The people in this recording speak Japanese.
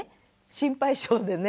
心配性でね